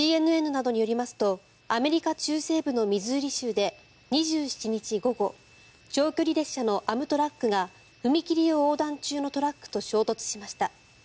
ＣＮＮなどによりますとアメリカ中西部のミズーリ州で２７日午後長距離列車のアムトラックが踏切を横断中のトラックと衝突しました。